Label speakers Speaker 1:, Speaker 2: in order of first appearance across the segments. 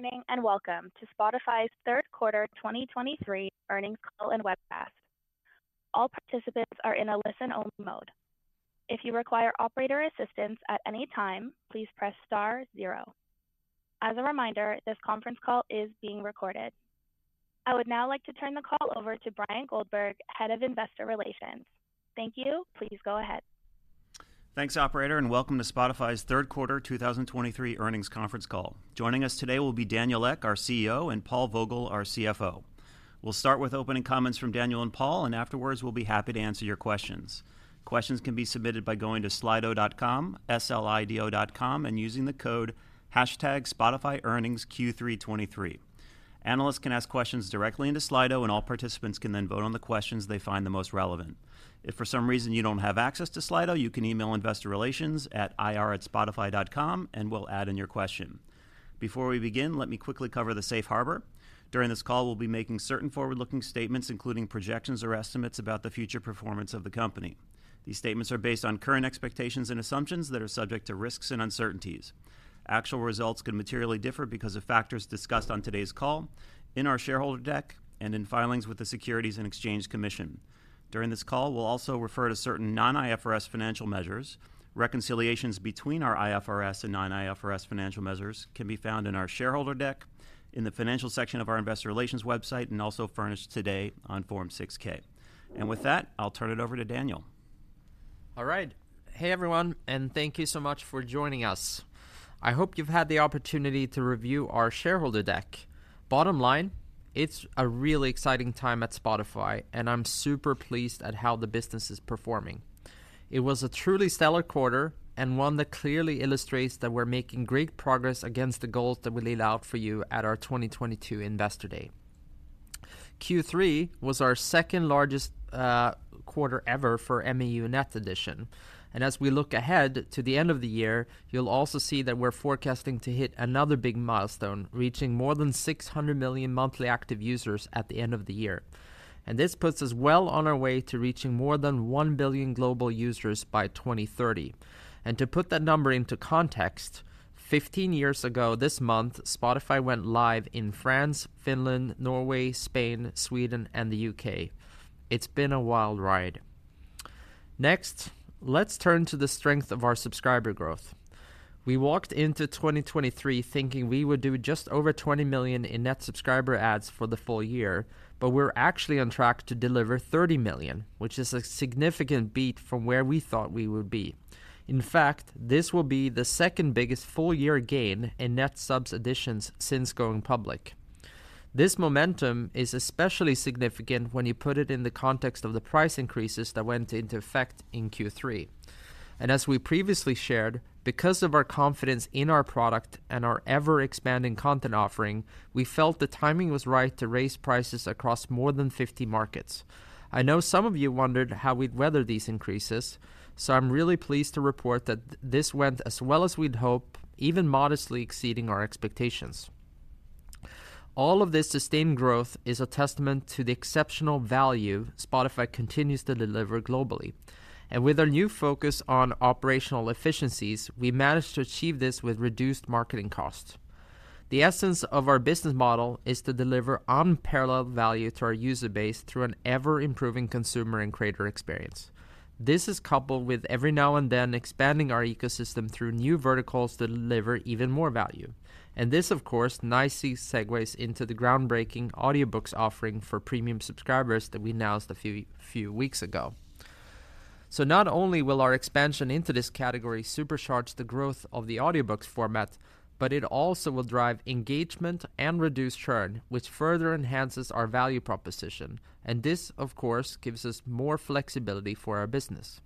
Speaker 1: Good morning, and welcome to Spotify's third quarter 2023 earnings call and webcast. All participants are in a listen-only mode. If you require operator assistance at any time, please press star zero. As a reminder, this conference call is being recorded. I would now like to turn the call over to Bryan Goldberg, Head of Investor Relations. Thank you. Please go ahead.
Speaker 2: Thanks, operator, and welcome to Spotify's third quarter 2023 earnings conference call. Joining us today will be Daniel Ek, our CEO, and Paul Vogel, our CFO. We'll start with opening comments from Daniel and Paul, and afterwards, we'll be happy to answer your questions. Questions can be submitted by going to Slido.com, S-L-I-D-O.com, and using the code hashtag SpotifyEarningsQ323. Analysts can ask questions directly into Slido, and all participants can then vote on the questions they find the most relevant. If for some reason you don't have access to Slido, you can email Investor Relations at ir@spotify.com, and we'll add in your question. Before we begin, let me quickly cover the Safe Harbor. During this call, we'll be making certain forward-looking statements, including projections or estimates about the future performance of the company. These statements are based on current expectations and assumptions that are subject to risks and uncertainties. Actual results could materially differ because of factors discussed on today's call, in our shareholder deck, and in filings with the Securities and Exchange Commission. During this call, we'll also refer to certain non-IFRS financial measures. Reconciliations between our IFRS and non-IFRS financial measures can be found in our shareholder deck, in the financial section of our investor relations website, and also furnished today on Form 6-K. With that, I'll turn it over to Daniel.
Speaker 3: All right. Hey, everyone, and thank you so much for joining us. I hope you've had the opportunity to review our shareholder deck. Bottom line, it's a really exciting time at Spotify, and I'm super pleased at how the business is performing. It was a truly stellar quarter and one that clearly illustrates that we're making great progress against the goals that we laid out for you at our 2022 Investor Day. Q3 was our second-largest quarter ever for MAU net addition. And as we look ahead to the end of the year, you'll also see that we're forecasting to hit another big milestone, reaching more than 600 million monthly active users at the end of the year. And this puts us well on our way to reaching more than 1 billion global users by 2030. To put that number into context, 15 years ago this month, Spotify went live in France, Finland, Norway, Spain, Sweden, and the U.K. It's been a wild ride. Next, let's turn to the strength of our subscriber growth. We walked into 2023 thinking we would do just over 20 million in net subscriber adds for the full year, but we're actually on track to deliver 30 million, which is a significant beat from where we thought we would be. In fact, this will be the second biggest full-year gain in net subs additions since going public. This momentum is especially significant when you put it in the context of the price increases that went into effect in Q3. As we previously shared, because of our confidence in our product and our ever-expanding content offering, we felt the timing was right to raise prices across more than 50 markets. I know some of you wondered how we'd weather these increases, so I'm really pleased to report that this went as well as we'd hoped, even modestly exceeding our expectations. All of this sustained growth is a testament to the exceptional value Spotify continues to deliver globally. With our new focus on operational efficiencies, we managed to achieve this with reduced marketing costs. The essence of our business model is to deliver unparalleled value to our user base through an ever-improving consumer and creator experience. This is coupled with every now and then expanding our ecosystem through new verticals that deliver even more value. This, of course, nicely segues into the groundbreaking audiobooks offering for Premium subscribers that we announced a few weeks ago. Not only will our expansion into this category supercharge the growth of the audiobooks format, but it also will drive engagement and reduce churn, which further enhances our value proposition. This, of course, gives us more flexibility for our business.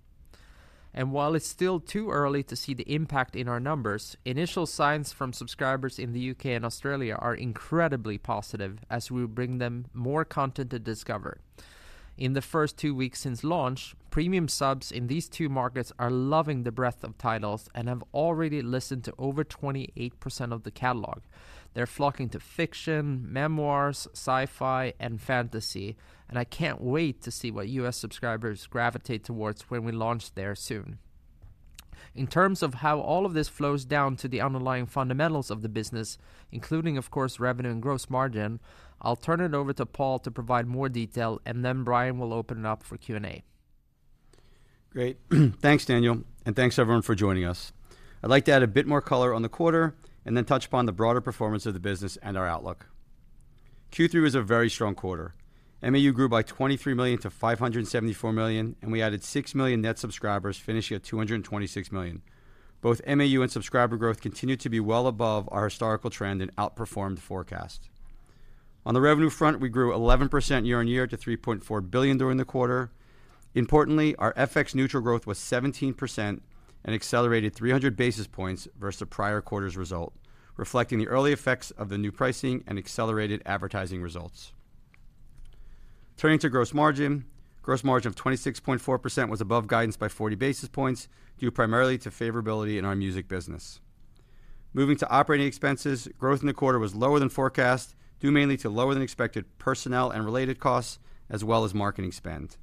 Speaker 3: While it's still too early to see the impact in our numbers, initial signs from subscribers in the U.K. and Australia are incredibly positive as we bring them more content to discover. In the first two weeks since launch, Premium subs in these two markets are loving the breadth of titles and have already listened to over 28% of the catalog. They're flocking to fiction, memoirs, sci-fi, and fantasy, and I can't wait to see what U.S. subscribers gravitate towards when we launch there soon. In terms of how all of this flows down to the underlying fundamentals of the business, including, of course, revenue and gross margin, I'll turn it over to Paul to provide more detail, and then Bryan will open it up for Q&A.
Speaker 4: Great. Thanks, Daniel, and thanks, everyone, for joining us. I'd like to add a bit more color on the quarter and then touch upon the broader performance of the business and our outlook. Q3 was a very strong quarter. MAU grew by 23 million to 574 million, and we added 6 million net subscribers, finishing at 226 million. Both MAU and subscriber growth continued to be well above our historical trend and outperformed forecast. On the revenue front, we grew 11% year-over-year to 3.4 billion during the quarter. Importantly, our FX-neutral growth was 17% and accelerated 300 basis points versus the prior quarter's result, reflecting the early effects of the new pricing and accelerated advertising results. Turning to gross margin. Gross margin of 26.4% was above guidance by 40 basis points, due primarily to favorability in our music business. Moving to operating expenses, growth in the quarter was lower than forecast, due mainly to lower-than-expected personnel and related costs, as well as marketing spend. ...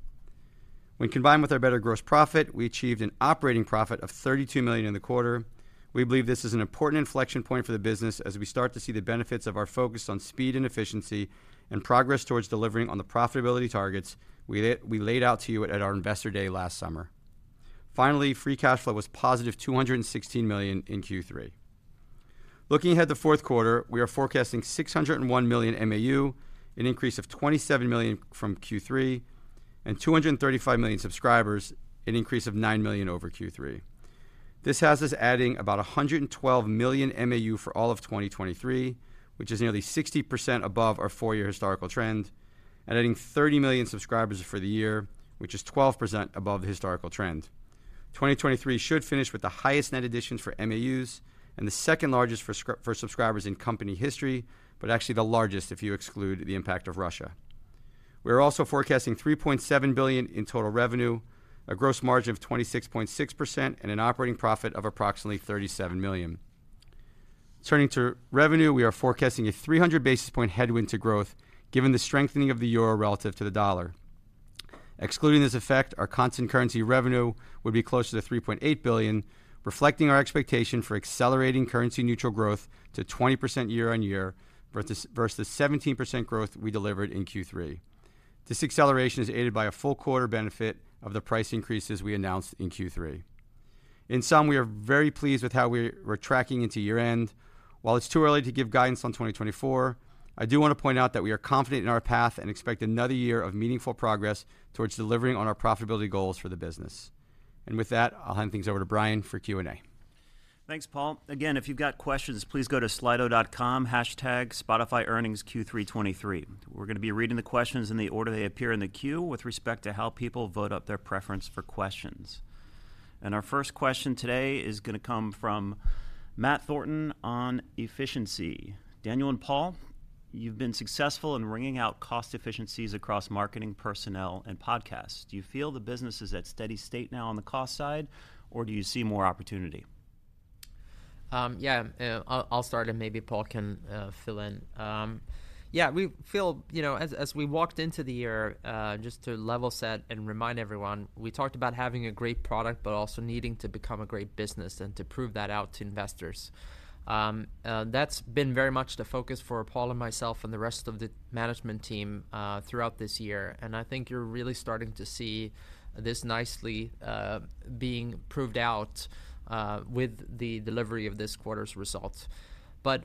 Speaker 4: When combined with our better gross profit, we achieved an operating profit of $32 million in the quarter. We believe this is an important inflection point for the business, as we start to see the benefits of our focus on speed and efficiency, and progress towards delivering on the profitability targets we laid out to you at our Investor Day last summer. Finally, free cash flow was positive $216 million in Q3. Looking ahead to fourth quarter, we are forecasting 601 million MAU, an increase of 27 million from Q3, and 235 million subscribers, an increase of 9 million over Q3. This has us adding about 112 million MAU for all of 2023, which is nearly 60% above our four-year historical trend, and adding 30 million subscribers for the year, which is 12% above the historical trend. 2023 should finish with the highest net additions for MAUs and the second largest for subscribers in company history, but actually the largest, if you exclude the impact of Russia. We're also forecasting $3.7 billion in total revenue, a gross margin of 26.6%, and an operating profit of approximately $37 million. Turning to revenue, we are forecasting a 300 basis point headwind to growth, given the strengthening of the euro relative to the dollar. Excluding this effect, our constant currency revenue would be closer to $3.8 billion, reflecting our expectation for accelerating currency-neutral growth to 20% year-on-year, versus 17% growth we delivered in Q3. This acceleration is aided by a full quarter benefit of the price increases we announced in Q3. In sum, we are very pleased with how we're tracking into year-end. While it's too early to give guidance on 2024, I do want to point out that we are confident in our path and expect another year of meaningful progress towards delivering on our profitability goals for the business. And with that, I'll hand things over to Bryan for Q&A.
Speaker 2: Thanks, Paul. Again, if you've got questions, please go to slido.com, hashtag SpotifyEarningsQ323. We're going to be reading the questions in the order they appear in the queue, with respect to how people vote up their preference for questions. Our first question today is going to come from Matt Thornton on efficiency: "Daniel and Paul, you've been successful in wringing out cost efficiencies across marketing, personnel, and podcasts. Do you feel the business is at steady state now on the cost side, or do you see more opportunity?
Speaker 3: Yeah, I'll start, and maybe Paul can fill in. Yeah, we feel... You know, as we walked into the year, just to level set and remind everyone, we talked about having a great product, but also needing to become a great business and to prove that out to investors. That's been very much the focus for Paul and myself and the rest of the management team, throughout this year, and I think you're really starting to see this nicely, being proved out, with the delivery of this quarter's results. But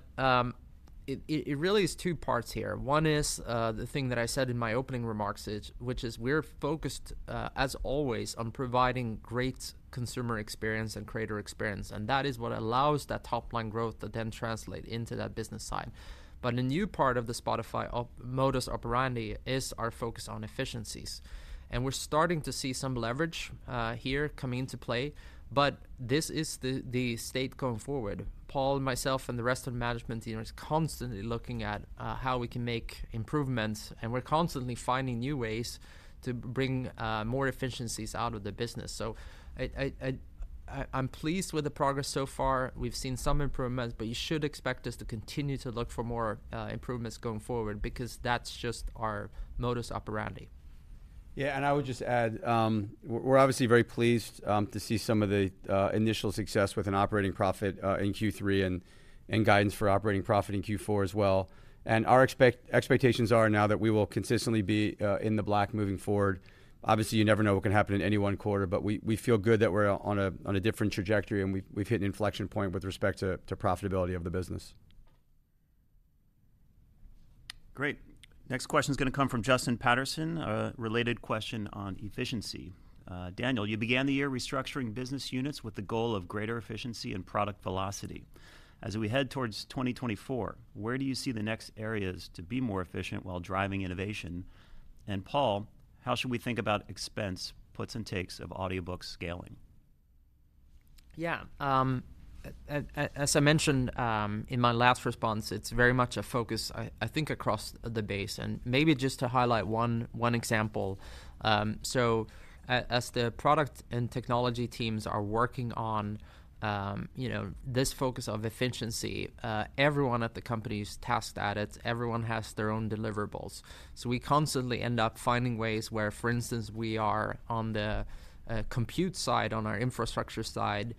Speaker 3: it really is two parts here. One is, the thing that I said in my opening remarks, which is we're focused, as always, on providing great consumer experience and creator experience, and that is what allows that top-line growth to then translate into that business side. But a new part of the Spotify modus operandi is our focus on efficiencies, and we're starting to see some leverage here coming into play, but this is the state going forward. Paul, myself, and the rest of the management team is constantly looking at how we can make improvements, and we're constantly finding new ways to bring more efficiencies out of the business. So I'm pleased with the progress so far. We've seen some improvements, but you should expect us to continue to look for more improvements going forward, because that's just our modus operandi.
Speaker 4: Yeah, and I would just add, we're obviously very pleased to see some of the initial success with an operating profit in Q3 and guidance for operating profit in Q4 as well. Our expectations are now that we will consistently be in the black moving forward. Obviously, you never know what can happen in any one quarter, but we feel good that we're on a different trajectory, and we've hit an inflection point with respect to profitability of the business.
Speaker 2: Great. Next question is going to come from Justin Patterson, a related question on efficiency: "Daniel, you began the year restructuring business units with the goal of greater efficiency and product velocity. As we head towards 2024, where do you see the next areas to be more efficient while driving innovation? And Paul, how should we think about expense puts and takes of audiobook scaling?
Speaker 3: Yeah. As I mentioned in my last response, it's very much a focus, I think, across the base, and maybe just to highlight one example. As the product and technology teams are working on, you know, this focus of efficiency, everyone at the company is tasked at it. Everyone has their own deliverables. So we constantly end up finding ways where, for instance, we are on the compute side, on our infrastructure side,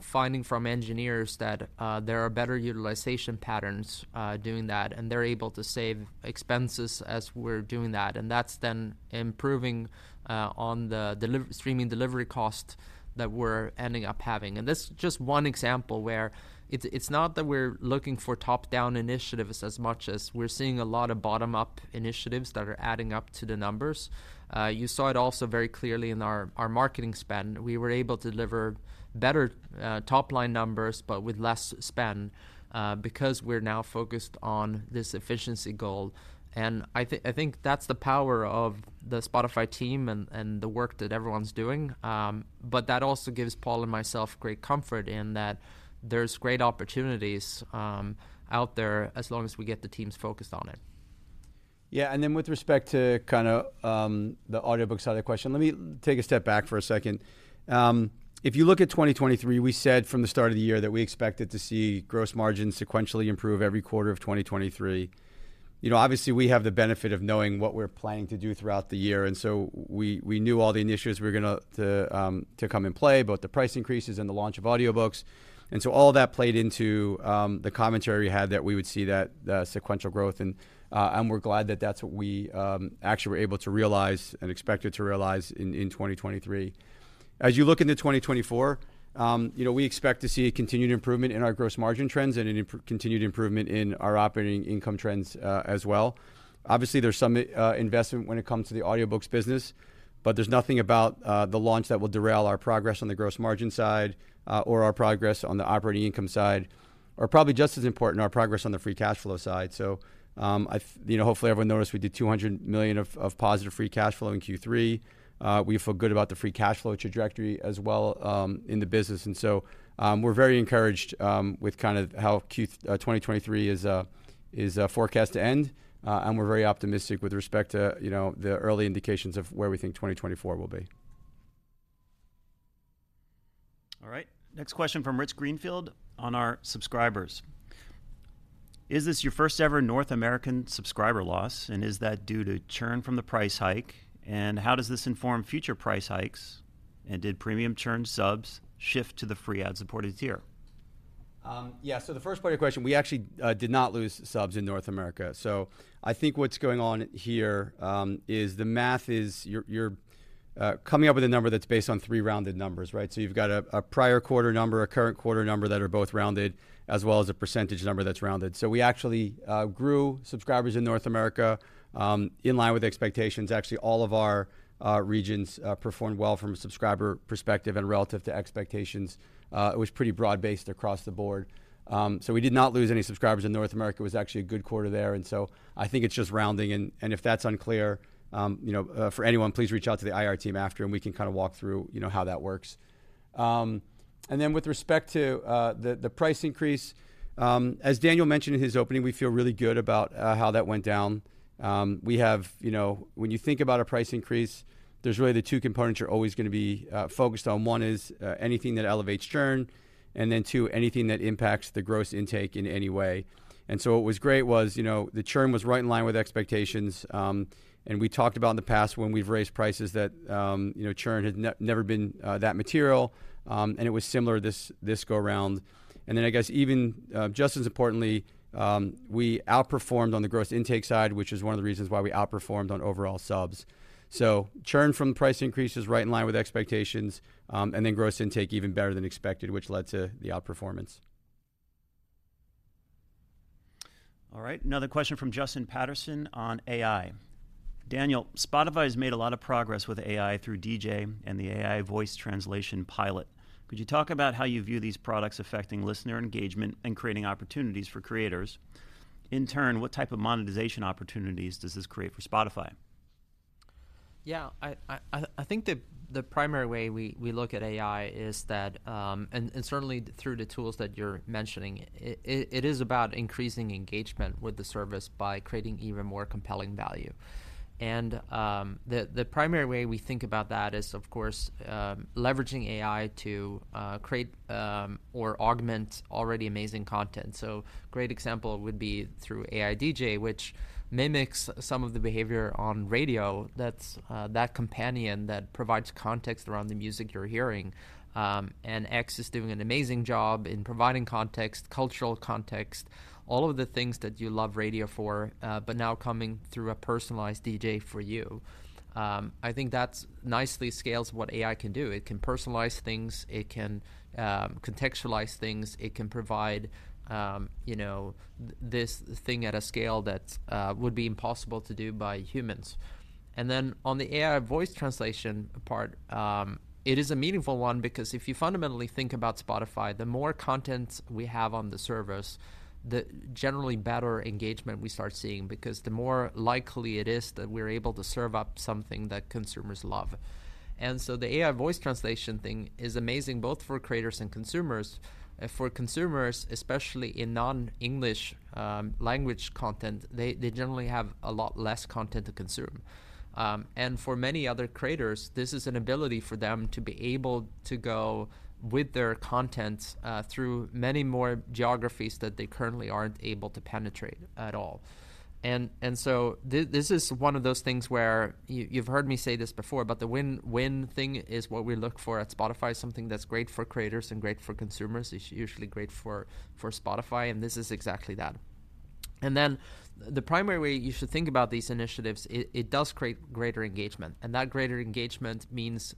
Speaker 3: finding from engineers that there are better utilization patterns, doing that, and they're able to save expenses as we're doing that. And that's then improving on the streaming delivery cost that we're ending up having. This is just one example where it's not that we're looking for top-down initiatives as much as we're seeing a lot of bottom-up initiatives that are adding up to the numbers. You saw it also very clearly in our marketing spend. We were able to deliver better top-line numbers, but with less spend, because we're now focused on this efficiency goal, and I think that's the power of the Spotify team and the work that everyone's doing. But that also gives Paul and myself great comfort in that there's great opportunities out there as long as we get the teams focused on it....
Speaker 4: Yeah, and then with respect to kind of, the audiobook side of the question, let me take a step back for a second. If you look at 2023, we said from the start of the year that we expected to see gross margins sequentially improve every quarter of 2023. You know, obviously, we have the benefit of knowing what we're planning to do throughout the year, and so we, we knew all the initiatives we were gonna to, to come in play, both the price increases and the launch of audiobooks. And so all of that played into, the commentary we had, that we would see that, sequential growth and, and we're glad that that's what we, actually were able to realize and expected to realize in 2023. As you look into 2024, you know, we expect to see a continued improvement in our gross margin trends and a continued improvement in our operating income trends, as well. Obviously, there's some investment when it comes to the audiobooks business, but there's nothing about the launch that will derail our progress on the gross margin side, or our progress on the operating income side, or probably just as important, our progress on the free cash flow side. So, you know, hopefully, everyone noticed we did $200 million of positive free cash flow in Q3. We feel good about the free cash flow trajectory as well, in the business. And so, we're very encouraged with kind of how Q th... 2023 is forecast to end, and we're very optimistic with respect to, you know, the early indications of where we think 2024 will be.
Speaker 2: All right. Next question from Rich Greenfield on our subscribers: Is this your first-ever North American subscriber loss, and is that due to churn from the price hike? And how does this inform future price hikes? And did Premium churn subs shift to the free ad-supported tier?
Speaker 4: Yeah. So the first part of your question, we actually did not lose subs in North America. So I think what's going on here is the math is, you're coming up with a number that's based on three rounded numbers, right? So you've got a prior quarter number, a current quarter number that are both rounded, as well as a percentage number that's rounded. So we actually grew subscribers in North America in line with expectations. Actually, all of our regions performed well from a subscriber perspective and relative to expectations. It was pretty broad-based across the board. So we did not lose any subscribers in North America. It was actually a good quarter there, and so I think it's just rounding and if that's unclear, you know, for anyone, please reach out to the IR team after, and we can kind of walk through, you know, how that works. And then with respect to the price increase, as Daniel mentioned in his opening, we feel really good about how that went down. We have... You know, when you think about a price increase, there's really the two components you're always going to be focused on. One is anything that elevates churn, and then two, anything that impacts the gross intake in any way. So what was great was, you know, the churn was right in line with expectations, and we talked about in the past, when we've raised prices, that, you know, churn had never been that material, and it was similar this go around. And then I guess even just as importantly, we outperformed on the gross intake side, which is one of the reasons why we outperformed on overall subs. So churn from price increase is right in line with expectations, and then gross intake even better than expected, which led to the outperformance.
Speaker 2: All right, another question from Justin Patterson on AI. Daniel, Spotify has made a lot of progress with AI through DJ and the AI voice translation pilot. Could you talk about how you view these products affecting listener engagement and creating opportunities for creators? In turn, what type of monetization opportunities does this create for Spotify?
Speaker 3: Yeah, I think the primary way we look at AI is that. And certainly through the tools that you're mentioning, it is about increasing engagement with the service by creating even more compelling value. And the primary way we think about that is, of course, leveraging AI to create or augment already amazing content. So great example would be through AI DJ, which mimics some of the behavior on radio. That's that companion that provides context around the music you're hearing. And X is doing an amazing job in providing context, cultural context, all of the things that you love radio for, but now coming through a personalized DJ for you. I think that's nicely scales what AI can do. It can personalize things. It can contextualize things. It can provide, you know, this thing at a scale that would be impossible to do by humans. And then on the AI voice translation part, it is a meaningful one because if you fundamentally think about Spotify, the more content we have on the service, the generally better engagement we start seeing, because the more likely it is that we're able to serve up something that consumers love. And so the AI voice translation thing is amazing, both for creators and consumers. For consumers, especially in non-English language content, they generally have a lot less content to consume. And for many other creators, this is an ability for them to be able to go with their content through many more geographies that they currently aren't able to penetrate at all. And so this is one of those things where, you've heard me say this before, but the win-win thing is what we look for at Spotify, something that's great for creators and great for consumers, it's usually great for Spotify, and this is exactly that. And then the primary way you should think about these initiatives, it does create greater engagement, and that greater engagement means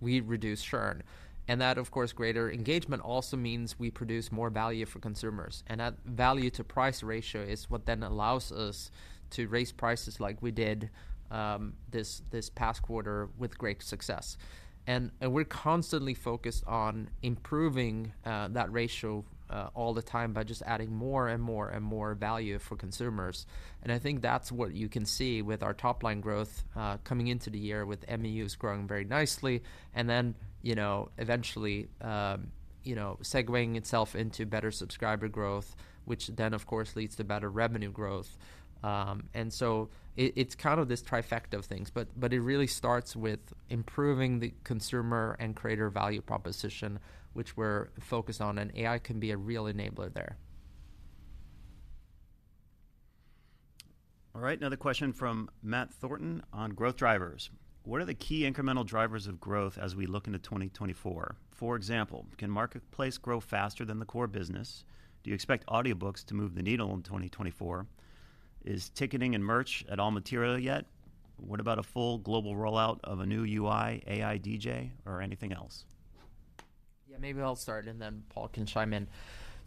Speaker 3: we reduce churn. And that, of course, greater engagement also means we produce more value for consumers, and that value to price ratio is what then allows us to raise prices like we did this past quarter with great success. And we're constantly focused on improving that ratio all the time by just adding more and more and more value for consumers. I think that's what you can see with our top-line growth, coming into the year, with MAUs growing very nicely and then, you know, eventually, segueing itself into better subscriber growth, which then, of course, leads to better revenue growth. So it's kind of this trifecta of things, but it really starts with improving the consumer and creator value proposition, which we're focused on, and AI can be a real enabler there....
Speaker 2: All right, another question from Matt Thornton on growth drivers. What are the key incremental drivers of growth as we look into 2024? For example, can Marketplace grow faster than the core business? Do you expect audiobooks to move the needle in 2024? Is ticketing and merch at all material yet? What about a full global rollout of a new UI, AI DJ, or anything else?
Speaker 3: Yeah, maybe I'll start, and then Paul can chime in.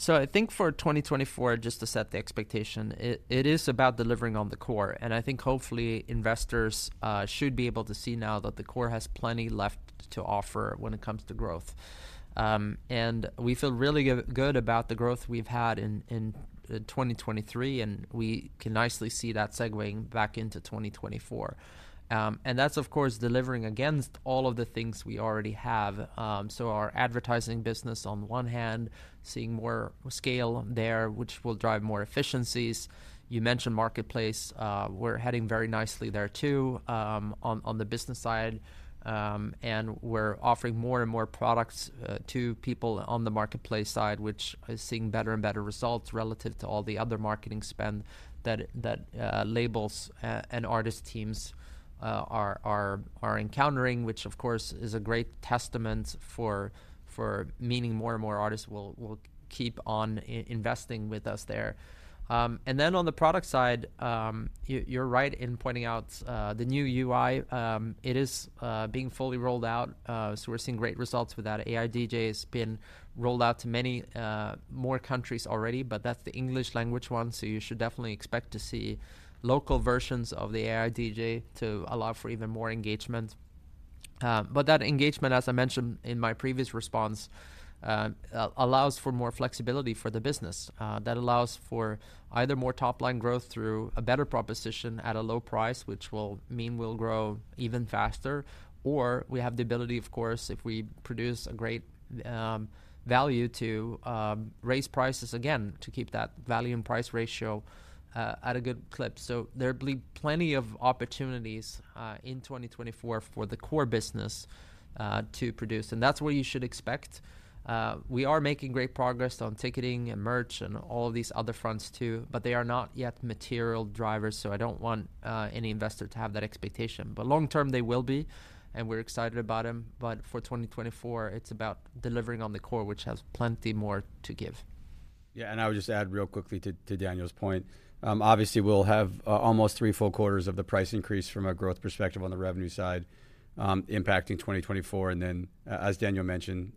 Speaker 3: So I think for 2024, just to set the expectation, it is about delivering on the core. And I think hopefully, investors should be able to see now that the core has plenty left to offer when it comes to growth. And we feel really good about the growth we've had in 2023, and we can nicely see that segueing back into 2024. And that's, of course, delivering against all of the things we already have. So our advertising business, on one hand, seeing more scale there, which will drive more efficiencies. You mentioned Marketplace. We're heading very nicely there, too, on the business side. We're offering more and more products to people on the Marketplace side, which is seeing better and better results relative to all the other marketing spend that labels and artist teams are encountering, which, of course, is a great testament for meaning more and more artists will keep on investing with us there. On the product side, you're right in pointing out the new UI. It is being fully rolled out, so we're seeing great results with that. AI DJ has been rolled out to many more countries already, but that's the English language one, so you should definitely expect to see local versions of the AI DJ to allow for even more engagement. But that engagement, as I mentioned in my previous response, allows for more flexibility for the business. That allows for either more top-line growth through a better proposition at a low price, which will mean we'll grow even faster, or we have the ability, of course, if we produce a great value, to raise prices again, to keep that value and price ratio at a good clip. So there will be plenty of opportunities in 2024 for the core business to produce, and that's what you should expect. We are making great progress on ticketing and merch and all these other fronts, too, but they are not yet material drivers, so I don't want any investor to have that expectation. But long-term, they will be, and we're excited about them. For 2024, it's about delivering on the core, which has plenty more to give.
Speaker 4: Yeah, and I would just add real quickly to Daniel's point. Obviously, we'll have almost three full quarters of the price increase from a growth perspective on the revenue side, impacting 2024. And then, as Daniel mentioned,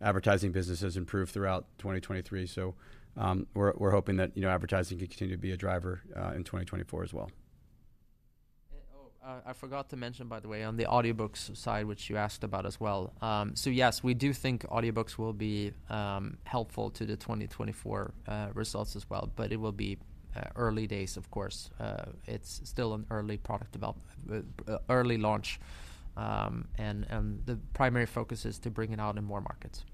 Speaker 4: advertising business has improved throughout 2023, so we're hoping that, you know, advertising will continue to be a driver in 2024 as well.
Speaker 3: Oh, I forgot to mention, by the way, on the audiobooks side, which you asked about as well. So yes, we do think audiobooks will be helpful to the 2024 results as well, but it will be early days, of course. It's still an early product early launch, and the primary focus is to bring it out in more markets.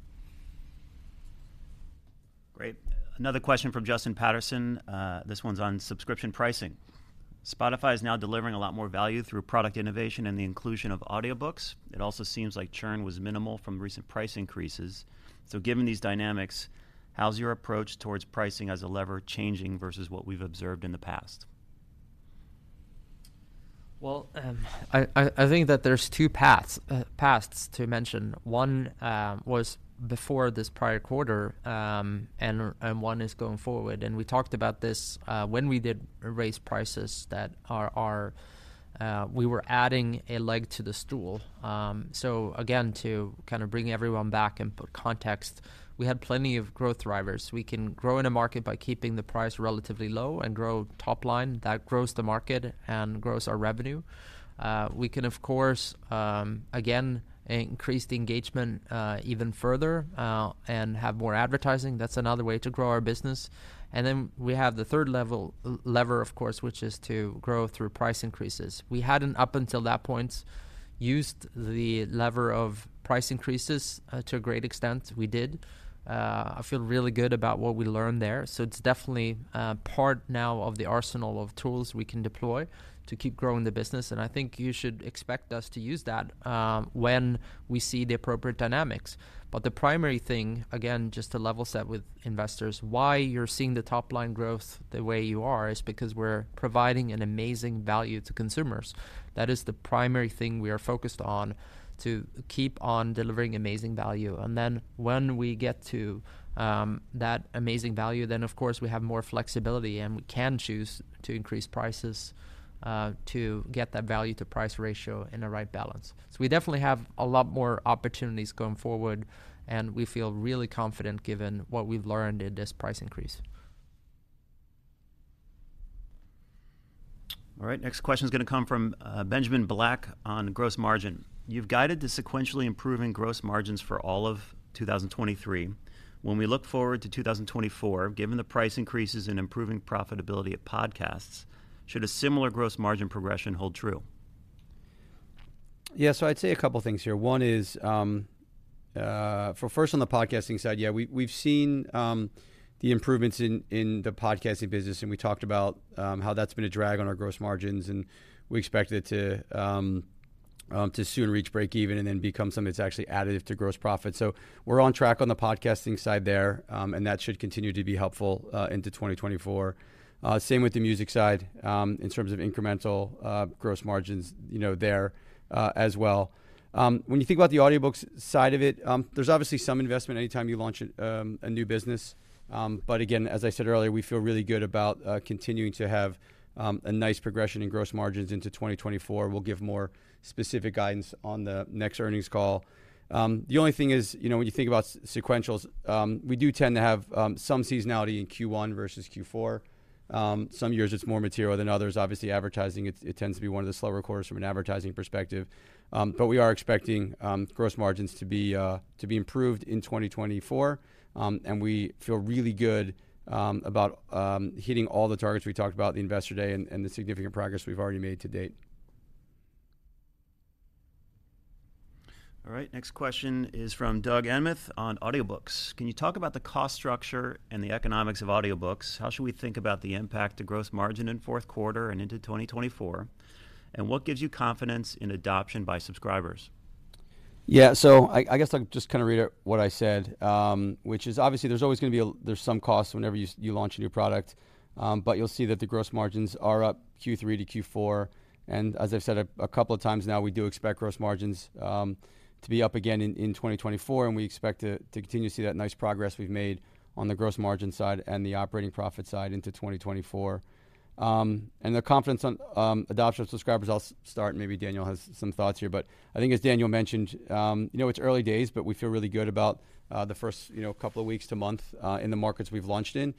Speaker 2: Great. Another question from Justin Patterson. This one's on subscription pricing. Spotify is now delivering a lot more value through product innovation and the inclusion of audiobooks. It also seems like churn was minimal from recent price increases. So given these dynamics, how's your approach towards pricing as a lever changing versus what we've observed in the past?
Speaker 3: Well, I think that there's two paths to mention. One was before this prior quarter, and one is going forward. We talked about this when we did raise prices; we were adding a leg to the stool. So again, to kind of bring everyone back and put context, we had plenty of growth drivers. We can grow in a market by keeping the price relatively low and grow top line. That grows the market and grows our revenue. We can, of course, again, increase the engagement even further and have more advertising. That's another way to grow our business. And then we have the third lever, of course, which is to grow through price increases. We hadn't, up until that point, used the lever of price increases, to a great extent. We did. I feel really good about what we learned there, so it's definitely, part now of the arsenal of tools we can deploy to keep growing the business, and I think you should expect us to use that, when we see the appropriate dynamics. But the primary thing, again, just to level set with investors, why you're seeing the top-line growth the way you are, is because we're providing an amazing value to consumers. That is the primary thing we are focused on, to keep on delivering amazing value. And then when we get to, that amazing value, then, of course, we have more flexibility, and we can choose to increase prices, to get that value to price ratio in the right balance. We definitely have a lot more opportunities going forward, and we feel really confident given what we've learned in this price increase.
Speaker 2: All right, next question is going to come from, Benjamin Black on gross margin. You've guided to sequentially improving gross margins for all of 2023. When we look forward to 2024, given the price increases and improving profitability of podcasts, should a similar gross margin progression hold true?
Speaker 4: Yeah, so I'd say a couple of things here. One is, for first on the podcasting side, yeah, we, we've seen, the improvements in the podcasting business, and we talked about, how that's been a drag on our gross margins, and we expect it to, to soon reach breakeven and then become something that's actually additive to gross profit. So we're on track on the podcasting side there, and that should continue to be helpful, into 2024. Same with the music side, in terms of incremental, gross margins, you know, there, as well. When you think about the audiobooks side of it, there's obviously some investment anytime you launch a, a new business. But again, as I said earlier, we feel really good about continuing to have a nice progression in gross margins into 2024. We'll give more specific guidance on the next earnings call. The only thing is, you know, when you think about sequentials, we do tend to have some seasonality in Q1 versus Q4. Some years it's more material than others. Obviously, advertising, it, it tends to be one of the slower quarters from an advertising perspective. But we are expecting gross margins to be improved in 2024. And we feel really good about hitting all the targets we talked about at the Investor Day and the significant progress we've already made to date.
Speaker 2: All right, next question is from Doug Anmuth on audiobooks: Can you talk about the cost structure and the economics of audiobooks? How should we think about the impact to gross margin in fourth quarter and into 2024? And what gives you confidence in adoption by subscribers?
Speaker 4: Yeah. So I guess I'll just kind of read out what I said, which is, obviously, there's always going to be some costs whenever you launch a new product. But you'll see that the gross margins are up Q3 to Q4. And as I've said a couple of times now, we do expect gross margins to be up again in 2024, and we expect to continue to see that nice progress we've made on the gross margin side and the operating profit side into 2024. And the confidence on adoption of subscribers, I'll start, and maybe Daniel has some thoughts here. But I think as Daniel mentioned, you know, it's early days, but we feel really good about the first, you know, couple of weeks to month in the markets we've launched in.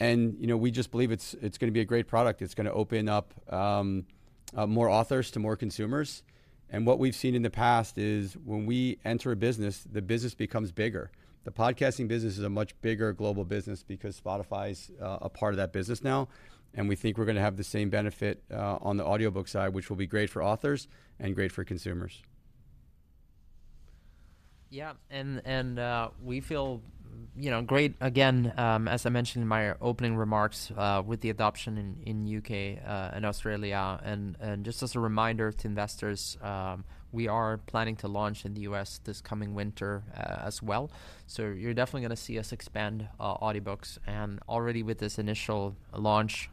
Speaker 4: And, you know, we just believe it's going to be a great product. It's going to open up more authors to more consumers. And what we've seen in the past is, when we enter a business, the business becomes bigger. The podcasting business is a much bigger global business because Spotify is a part of that business now, and we think we're going to have the same benefit on the audiobook side, which will be great for authors and great for consumers.
Speaker 3: Yeah. And we feel, you know, great, again, as I mentioned in my opening remarks, with the adoption in U.K. and Australia. And just as a reminder to investors, we are planning to launch in the U.S. this coming winter, as well. So you're definitely going to see us expand audiobooks. And already with this initial launch,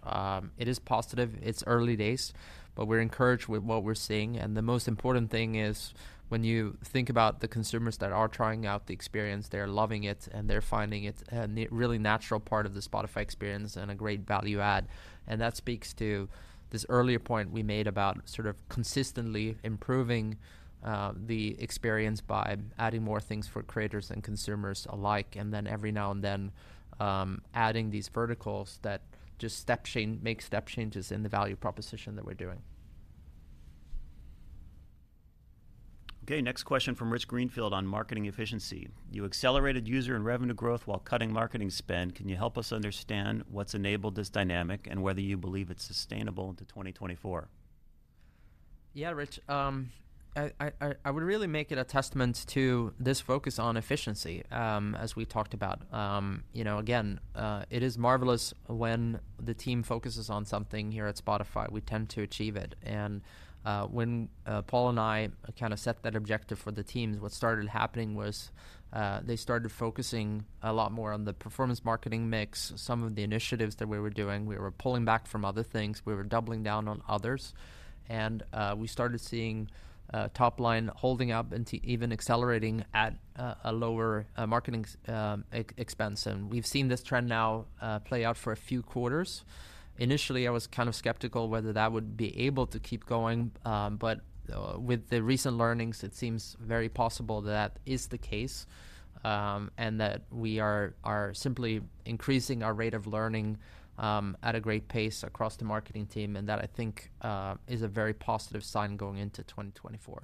Speaker 3: it is positive. It's early days, but we're encouraged with what we're seeing. And the most important thing is, when you think about the consumers that are trying out the experience, they're loving it, and they're finding it a really natural part of the Spotify experience and a great value add. That speaks to this earlier point we made about sort of consistently improving the experience by adding more things for creators and consumers alike, and then every now and then adding these verticals that just make step changes in the value proposition that we're doing.
Speaker 2: Okay, next question from Rich Greenfield on marketing efficiency: You accelerated user and revenue growth while cutting marketing spend. Can you help us understand what's enabled this dynamic and whether you believe it's sustainable into 2024?
Speaker 3: Yeah, Rich. I would really make it a testament to this focus on efficiency, as we talked about. You know, again, it is marvelous when the team focuses on something here at Spotify, we tend to achieve it. And when Paul and I kind of set that objective for the teams, what started happening was they started focusing a lot more on the performance marketing mix, some of the initiatives that we were doing. We were pulling back from other things, we were doubling down on others, and we started seeing top line holding up and to even accelerating at a lower marketing expense. And we've seen this trend now play out for a few quarters. Initially, I was kind of skeptical whether that would be able to keep going, but with the recent learnings, it seems very possible that is the case, and that we are simply increasing our rate of learning at a great pace across the marketing team, and that, I think, is a very positive sign going into 2024.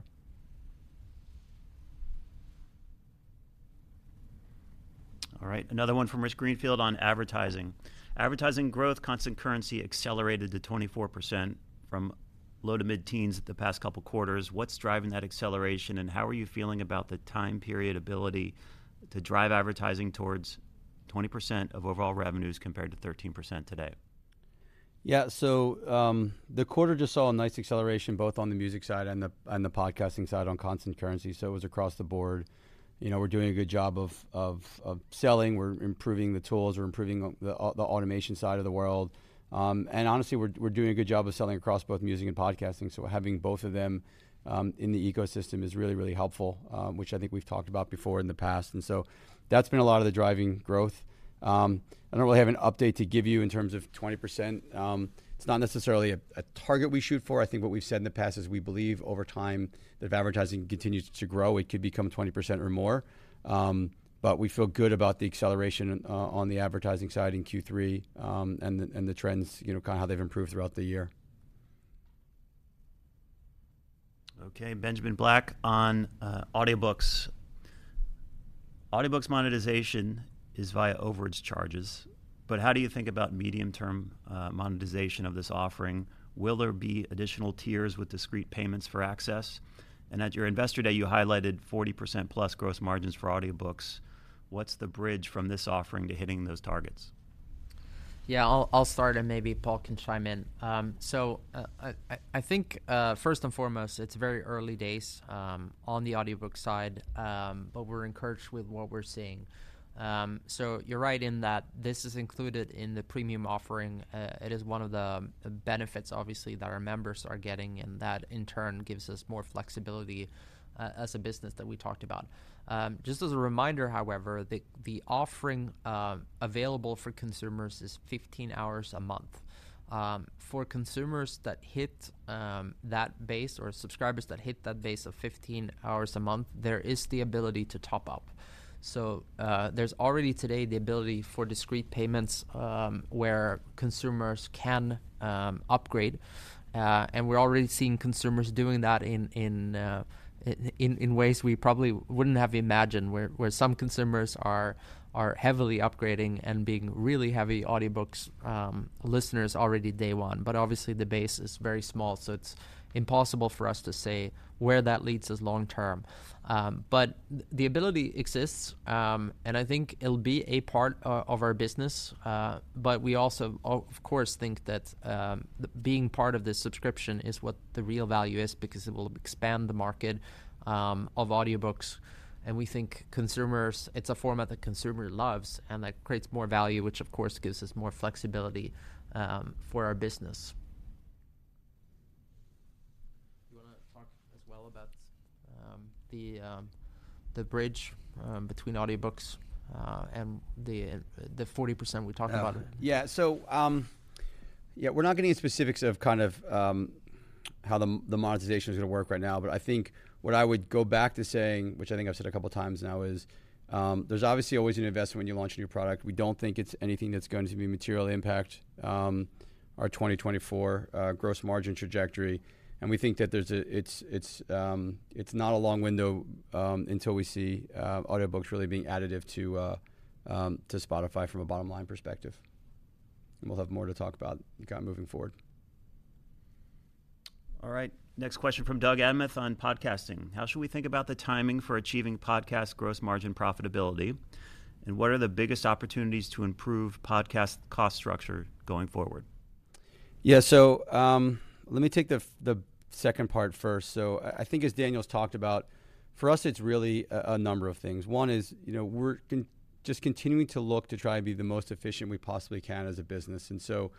Speaker 2: All right, another one from Rich Greenfield on advertising: Advertising growth, constant currency accelerated to 24% from low- to mid-teens the past couple quarters. What's driving that acceleration, and how are you feeling about the time period ability to drive advertising towards 20% of overall revenues, compared to 13% today?
Speaker 4: Yeah. So, the quarter just saw a nice acceleration, both on the music side and the podcasting side, on constant currency, so it was across the board. You know, we're doing a good job of selling. We're improving the tools, we're improving the automation side of the world. And honestly, we're doing a good job of selling across both music and podcasting. So having both of them in the ecosystem is really helpful, which I think we've talked about before in the past. And so that's been a lot of the driving growth. I don't really have an update to give you in terms of 20%. It's not necessarily a target we shoot for. I think what we've said in the past is, we believe over time, that if advertising continues to grow, it could become 20% or more. But we feel good about the acceleration on the advertising side in Q3, and the trends, you know, kind of how they've improved throughout the year.
Speaker 2: Okay, Benjamin Black on audiobooks: Audiobooks monetization is via overage charges, but how do you think about medium-term monetization of this offering? Will there be additional tiers with discrete payments for access? And at your Investor Day, you highlighted 40%+ gross margins for audiobooks. What's the bridge from this offering to hitting those targets?...
Speaker 3: Yeah, I'll start, and maybe Paul can chime in. So, I think, first and foremost, it's very early days on the audiobook side, but we're encouraged with what we're seeing. So you're right in that this is included in the Premium offering. It is one of the benefits, obviously, that our members are getting, and that, in turn, gives us more flexibility as a business that we talked about. Just as a reminder, however, the offering available for consumers is 15 hours a month. For consumers that hit that base or subscribers that hit that base of 15 hours a month, there is the ability to top up. So, there's already today the ability for discrete payments, where consumers can upgrade, and we're already seeing consumers doing that in ways we probably wouldn't have imagined, where some consumers are heavily upgrading and being really heavy audiobooks listeners already day one. But obviously, the base is very small, so it's impossible for us to say where that leads us long term. But the ability exists, and I think it'll be a part of our business. But we also of course think that the being part of this subscription is what the real value is, because it will expand the market of audiobooks, and we think consumers, it's a format that consumer loves, and that creates more value, which of course gives us more flexibility for our business. You wanna talk as well about the bridge between audiobooks and the 40% we talked about?
Speaker 4: Yeah. So, yeah, we're not going to get into specifics of kind of, how the monetization is gonna work right now. But I think what I would go back to saying, which I think I've said a couple of times now, is, there's obviously always an investment when you launch a new product. We don't think it's anything that's going to be materially impact our 2024 gross margin trajectory, and we think that it's not a long window until we see audiobooks really being additive to Spotify from a bottom-line perspective. And we'll have more to talk about moving forward.
Speaker 2: All right. Next question from Doug Anmuth on podcasting: How should we think about the timing for achieving podcast gross margin profitability, and what are the biggest opportunities to improve podcast cost structure going forward?
Speaker 4: Yeah. So, let me take the second part first. So I think as Daniel's talked about, for us, it's really a number of things. One is, you know, we're just continuing to look to try and be the most efficient we possibly can as a business. And so,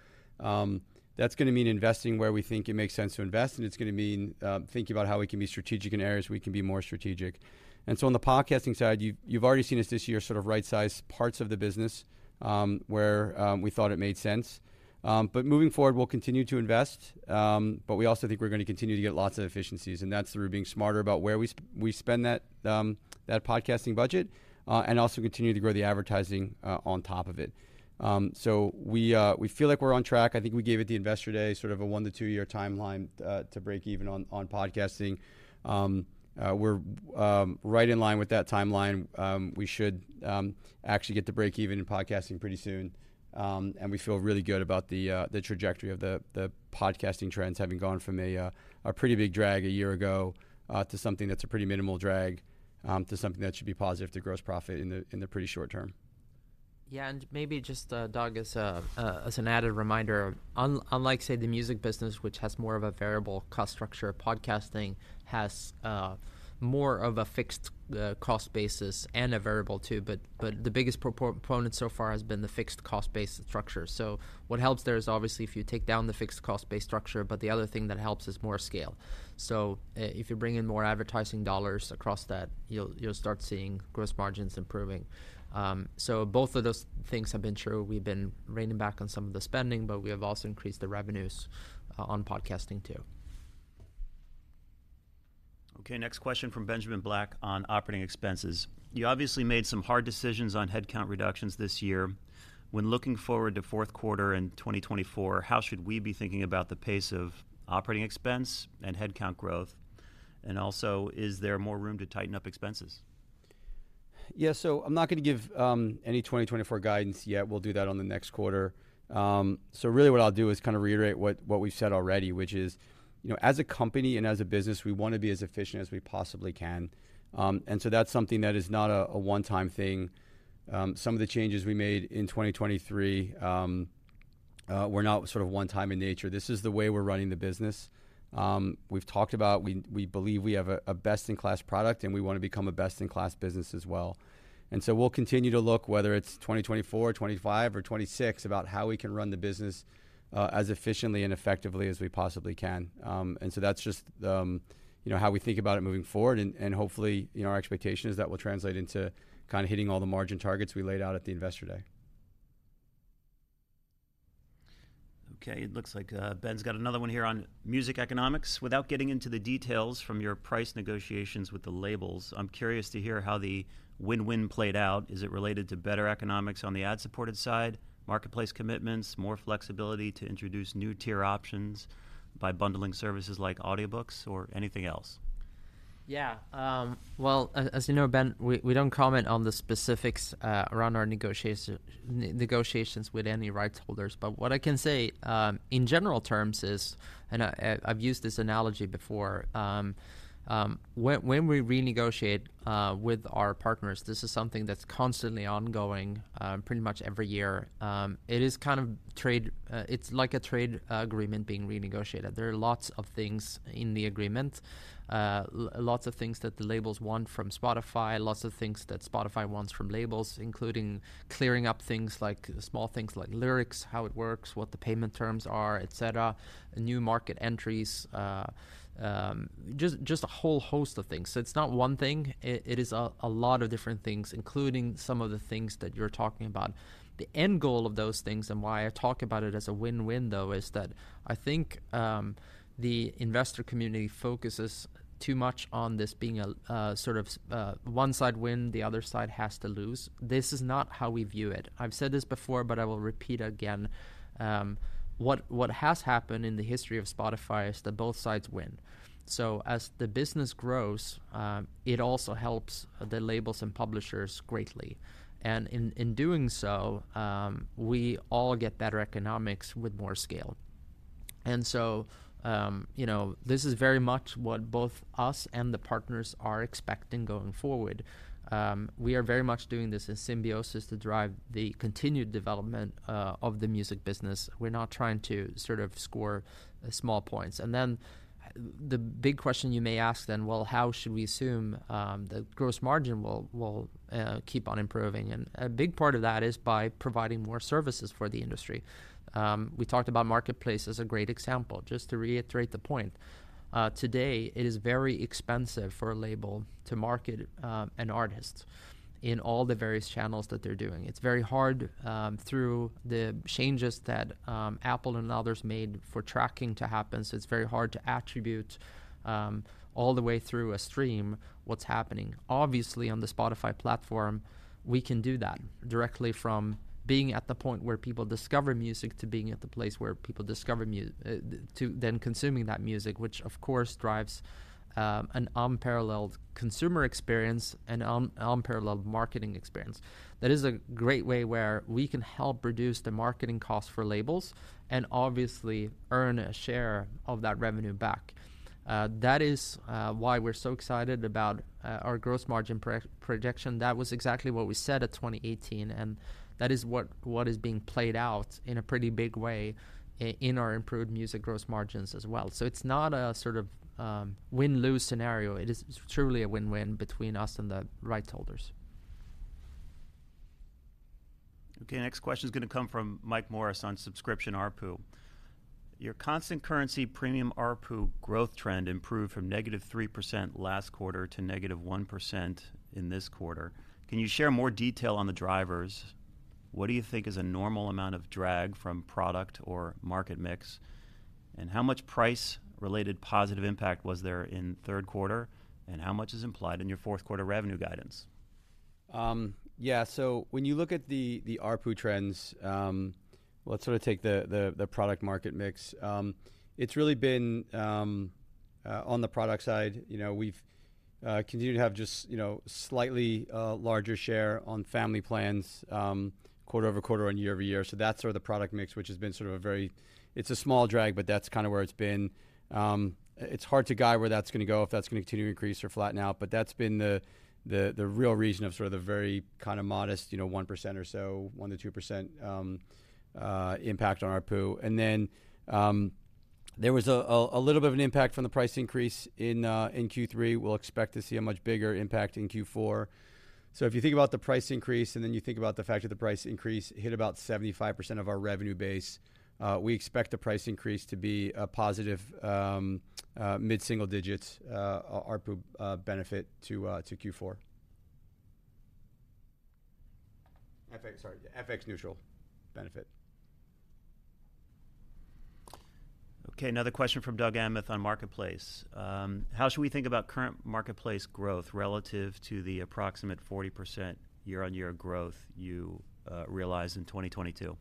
Speaker 4: that's gonna mean investing where we think it makes sense to invest, and it's gonna mean thinking about how we can be strategic in areas we can be more strategic. And so on the podcasting side, you've already seen us this year sort of rightsize parts of the business, where we thought it made sense. But moving forward, we'll continue to invest, but we also think we're going to continue to get lots of efficiencies, and that's through being smarter about where we spend that podcasting budget, and also continue to grow the advertising on top of it. So we feel like we're on track. I think we gave it the Investor Day, sort of a one to two-year timeline to break even on podcasting. We're right in line with that timeline. We should actually get to break even in podcasting pretty soon. And we feel really good about the trajectory of the podcasting trends, having gone from a pretty big drag a year ago to something that's a pretty minimal drag to something that should be positive to gross profit in the pretty short term.
Speaker 3: Yeah, and maybe just, Doug, as an added reminder, unlike, say, the music business, which has more of a variable cost structure, podcasting has more of a fixed cost basis and a variable, too. But the biggest component so far has been the fixed cost-based structure. So what helps there is obviously, if you take down the fixed cost-based structure, but the other thing that helps is more scale. So, if you bring in more advertising dollars across that, you'll start seeing gross margins improving. So both of those things have been true. We've been reining back on some of the spending, but we have also increased the revenues on podcasting, too.
Speaker 2: Okay, next question from Benjamin Black on operating expenses: You obviously made some hard decisions on headcount reductions this year. When looking forward to fourth quarter in 2024, how should we be thinking about the pace of operating expense and headcount growth? And also, is there more room to tighten up expenses?
Speaker 4: Yeah. So I'm not going to give any 2024 guidance yet. We'll do that on the next quarter. So really what I'll do is kind of reiterate what we've said already, which is, you know, as a company and as a business, we want to be as efficient as we possibly can. And so that's something that is not a one-time thing. Some of the changes we made in 2023 were not sort of one time in nature. This is the way we're running the business. We've talked about, we believe we have a best-in-class product, and we want to become a best-in-class business as well. And so we'll continue to look, whether it's 2024, 2025 or 2026, about how we can run the business as efficiently and effectively as we possibly can. and so that's just, you know, how we think about it moving forward. And hopefully, you know, our expectation is that will translate into kind of hitting all the margin targets we laid out at the Investor Day.
Speaker 2: Okay, it looks like, Ben's got another one here on music economics: Without getting into the details from your price negotiations with the labels, I'm curious to hear how the win-win played out. Is it related to better economics on the ad-supported side, Marketplace commitments, more flexibility to introduce new tier options by bundling services like audiobooks or anything else?...
Speaker 3: Yeah, well, as you know, Ben, we don't comment on the specifics around our negotiations with any rights holders. But what I can say in general terms is, and I, I've used this analogy before, when we renegotiate with our partners, this is something that's constantly ongoing pretty much every year. It is kind of trade, it's like a trade agreement being renegotiated. There are lots of things in the agreement, lots of things that the labels want from Spotify, lots of things that Spotify wants from labels, including clearing up things like small things like lyrics, how it works, what the payment terms are, et cetera, new market entries, just a whole host of things. So it's not one thing, it is a lot of different things, including some of the things that you're talking about. The end goal of those things and why I talk about it as a win-win, though, is that I think the investor community focuses too much on this being a sort of one side win, the other side has to lose. This is not how we view it. I've said this before, but I will repeat again what has happened in the history of Spotify is that both sides win. So as the business grows, it also helps the labels and publishers greatly. And in doing so, we all get better economics with more scale. And so, you know, this is very much what both us and the partners are expecting going forward. We are very much doing this in symbiosis to drive the continued development of the music business. We're not trying to sort of score small points. And then the big question you may ask then: Well, how should we assume the gross margin will keep on improving? And a big part of that is by providing more services for the industry. We talked about Marketplace as a great example. Just to reiterate the point, today, it is very expensive for a label to market an artist in all the various channels that they're doing. It's very hard, through the changes that Apple and others made for tracking to happen, so it's very hard to attribute all the way through a stream, what's happening. Obviously, on the Spotify platform, we can do that directly from being at the point where people discover music, to being at the place where people discover music, to then consuming that music, which of course drives an unparalleled consumer experience and unparalleled marketing experience. That is a great way where we can help reduce the marketing costs for labels and obviously earn a share of that revenue back. That is why we're so excited about our gross margin projection. That was exactly what we said at 2018, and that is what is being played out in a pretty big way in our improved music gross margins as well. So it's not a sort of win-lose scenario. It is truly a win-win between us and the rights holders.
Speaker 2: Okay, next question is going to come from Mike Morris on subscription ARPU. Your constant currency Premium ARPU growth trend improved from -3% last quarter to -1% in this quarter. Can you share more detail on the drivers? What do you think is a normal amount of drag from product or market mix? And how much price-related positive impact was there in third quarter, and how much is implied in your fourth quarter revenue guidance?
Speaker 4: Yeah. So when you look at the ARPU trends, let's sort of take the product market mix. It's really been on the product side, you know, we've continued to have just, you know, slightly larger share on family plans, quarter-over-quarter and year-over-year. So that's sort of the product mix, which has been sort of a very... It's a small drag, but that's kind of where it's been. It's hard to guide where that's going to go, if that's going to continue to increase or flatten out, but that's been the real reason of sort of the very kind of modest, you know, 1% or so, 1%-2% impact on ARPU. Then, there was a little bit of an impact from the price increase in Q3. We'll expect to see a much bigger impact in Q4. So if you think about the price increase, and then you think about the fact that the price increase hit about 75% of our revenue base, we expect the price increase to be a positive mid-single digits ARPU benefit to Q4. FX-neutral benefit.
Speaker 2: Okay, another question from Doug Anmuth on Marketplace. How should we think about current Marketplace growth relative to the approximate 40% year-on-year growth you realized in 2022?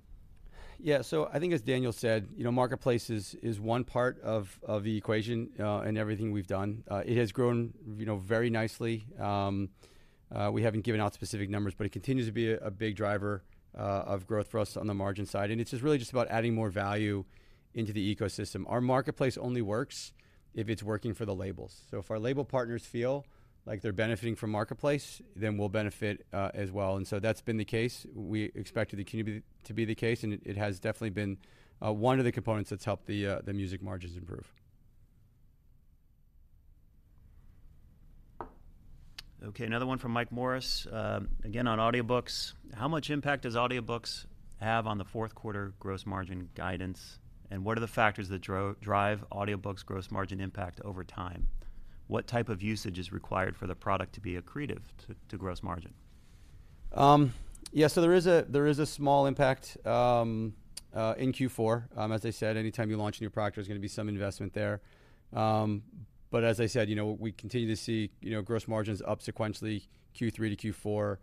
Speaker 4: Yeah. So I think, as Daniel said, you know, Marketplace is one part of the equation in everything we've done. It has grown, you know, very nicely. We haven't given out specific numbers, but it continues to be a big driver of growth for us on the margin side, and it's just really just about adding more value into the ecosystem. Our Marketplace only works if it's working for the labels. So if our label partners feel like they're benefiting from Marketplace, then we'll benefit, as well, and so that's been the case. We expect it to continue to be the case, and it has definitely been one of the components that's helped the music margins improve.
Speaker 2: Okay, another one from Mike Morris, again, on audiobooks. How much impact does audiobooks have on the fourth quarter gross margin guidance, and what are the factors that drive audiobooks' gross margin impact over time? What type of usage is required for the product to be accretive to gross margin?
Speaker 4: Yeah, so there is a small impact in Q4. As I said, anytime you launch a new product, there's going to be some investment there. But as I said, you know, we continue to see, you know, gross margins up sequentially, Q3 to Q4,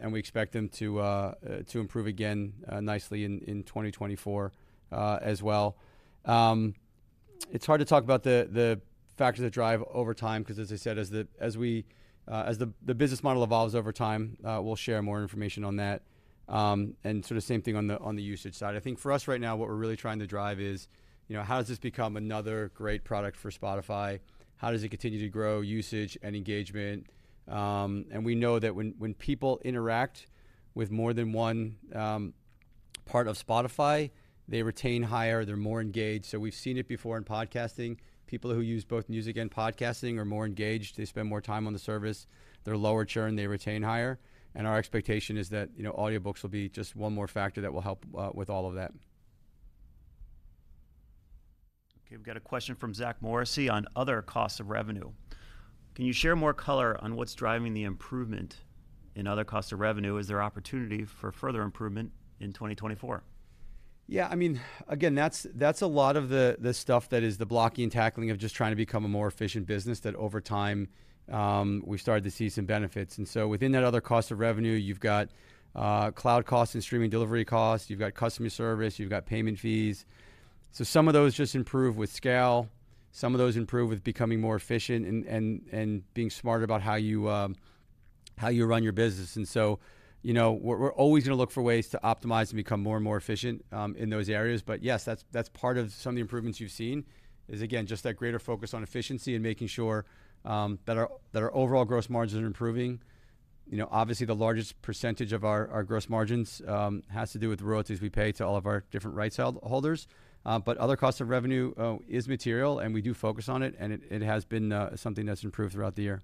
Speaker 4: and we expect them to improve again nicely in 2024, as well. It's hard to talk about the factors that drive over time, 'cause as I said, as the business model evolves over time, we'll share more information on that. And so the same thing on the usage side. I think for us right now, what we're really trying to drive is, you know, how does this become another great product for Spotify? How does it continue to grow usage and engagement? And we know that when people interact with more than one part of Spotify, they retain higher, they're more engaged. So we've seen it before in podcasting. People who use both music and podcasting are more engaged. They spend more time on the service. They're lower churn, they retain higher, and our expectation is that, you know, audiobooks will be just one more factor that will help with all of that.
Speaker 2: Okay, we've got a question from Zach Morrissey on other costs of revenue. Can you share more color on what's driving the improvement in other costs of revenue? Is there opportunity for further improvement in 2024?
Speaker 4: Yeah, I mean, again, that's, that's a lot of the, the stuff that is the blocking and tackling of just trying to become a more efficient business, that over time, we've started to see some benefits. And so within that other cost of revenue, you've got, cloud costs and streaming delivery costs, you've got customer service, you've got payment fees. So some of those just improve with scale, some of those improve with becoming more efficient and being smarter about how you, how you run your business. And so, you know, we're, we're always going to look for ways to optimize and become more and more efficient, in those areas. But yes, that's, that's part of some of the improvements you've seen is, again, just that greater focus on efficiency and making sure, that our, that our overall gross margins are improving. You know, obviously, the largest percentage of our, our gross margins has to do with the royalties we pay to all of our different rights holders. But other costs of revenue is material, and we do focus on it, and it, it has been something that's improved throughout the year.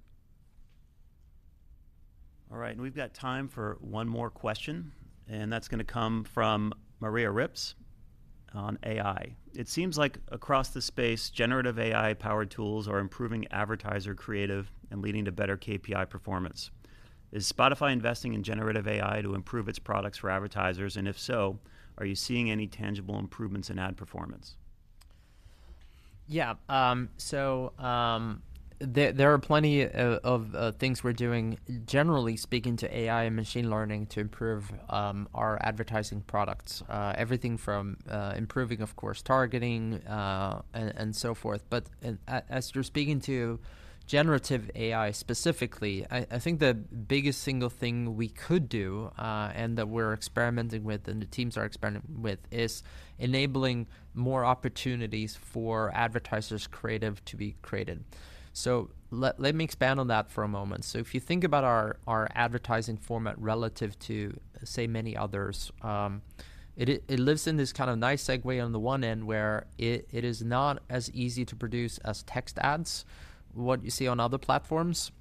Speaker 2: All right, and we've got time for one more question, and that's going to come from Maria Ripps on AI. It seems like across the space, generative AI-powered tools are improving advertiser creative and leading to better KPI performance. Is Spotify investing in generative AI to improve its products for advertisers? And if so, are you seeing any tangible improvements in ad performance?
Speaker 3: Yeah. So, there are plenty of things we're doing, generally speaking, to AI and machine learning to improve our advertising products, everything from improving, of course, targeting, and so forth. But as you're speaking to generative AI specifically, I think the biggest single thing we could do, and that we're experimenting with, and the teams are experimenting with, is enabling more opportunities for advertisers' creative to be created. So let me expand on that for a moment. So if you think about our advertising format relative to, say, many others, it lives in this kind of nice segue on the one end where it is not as easy to produce as text ads, what you see on other platforms,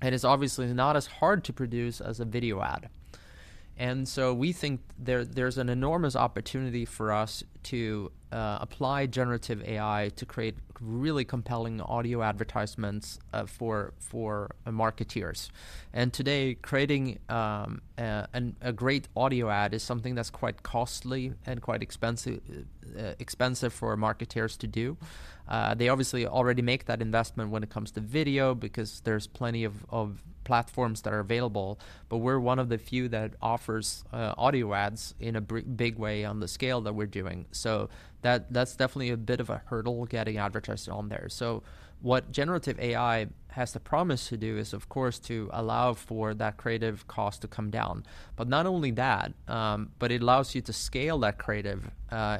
Speaker 3: and is obviously not as hard to produce as a video ad. And so we think there, there's an enormous opportunity for us to apply generative AI to create really compelling audio advertisements for marketeers. And today, creating a great audio ad is something that's quite costly and quite expensive for marketeers to do. They obviously already make that investment when it comes to video because there's plenty of platforms that are available, but we're one of the few that offers audio ads in a big way on the scale that we're doing. So that's definitely a bit of a hurdle, getting advertisers on there. So what generative AI has the promise to do is, of course, to allow for that creative cost to come down. But not only that, but it allows you to scale that creative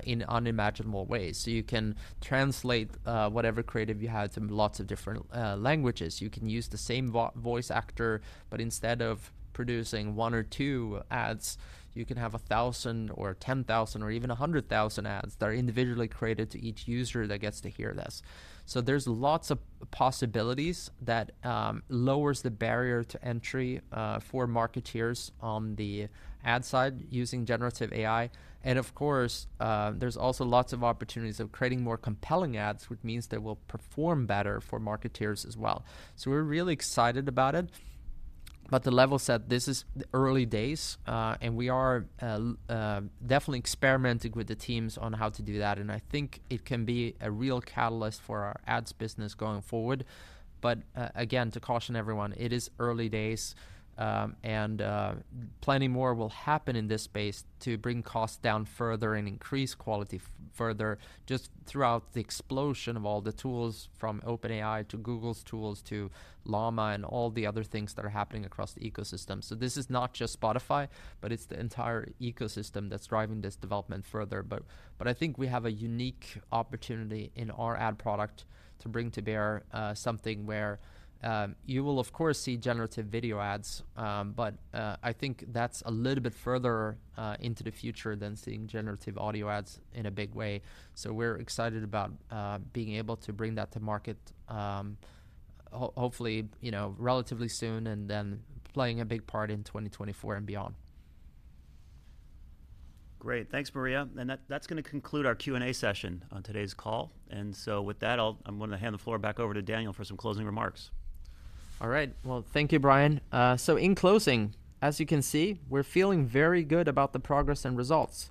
Speaker 3: in unimaginable ways. So you can translate whatever creative you have to lots of different languages. You can use the same voice actor, but instead of producing one or two ads, you can have 1,000 or 10,000 or even 100,000 ads that are individually created to each user that gets to hear this. So there's lots of possibilities that lowers the barrier to entry for marketeers on the ad side using generative AI. And of course, there's also lots of opportunities of creating more compelling ads, which means they will perform better for marketeers as well. So we're really excited about it. But the level set, this is the early days, and we are definitely experimenting with the teams on how to do that, and I think it can be a real catalyst for our ads business going forward. But, again, to caution everyone, it is early days, and, plenty more will happen in this space to bring costs down further and increase quality further, just throughout the explosion of all the tools, from OpenAI to Google's tools, to Llama, and all the other things that are happening across the ecosystem. So this is not just Spotify, but it's the entire ecosystem that's driving this development further. But, but I think we have a unique opportunity in our ad product to bring to bear, something where, you will, of course, see generative video ads, but, I think that's a little bit further, into the future than seeing generative audio ads in a big way. We're excited about being able to bring that to market, hopefully, you know, relatively soon, and then playing a big part in 2024 and beyond.
Speaker 2: Great. Thanks, Maria. And that, that's going to conclude our Q&A session on today's call. And so with that, I'll... I'm going to hand the floor back over to Daniel for some closing remarks.
Speaker 3: All right. Well, thank you, Bryan. So in closing, as you can see, we're feeling very good about the progress and results.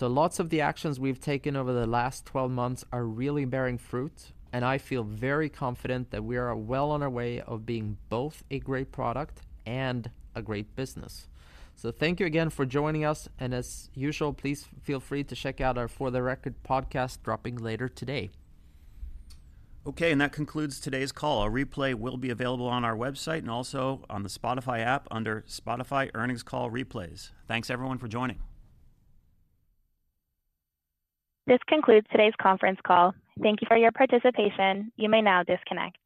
Speaker 3: Lots of the actions we've taken over the last 12 months are really bearing fruit, and I feel very confident that we are well on our way of being both a great product and a great business. Thank you again for joining us, and as usual, please feel free to check out our For The Record podcast, dropping later today.
Speaker 4: Okay, and that concludes today's call. A replay will be available on our website and also on the Spotify app under Spotify Earnings Call Replays. Thanks, everyone, for joining.
Speaker 1: This concludes today's conference call. Thank you for your participation. You may now disconnect.